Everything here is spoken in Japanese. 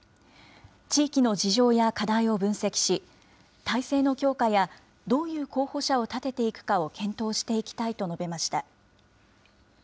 地域の事情や課題を分析し、体制の強化やどういう候補者を立てていくかを検討していきたいと述べました。